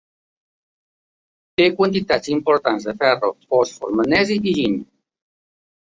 Té quantitats importants de ferro, fòsfor, magnesi i zenc.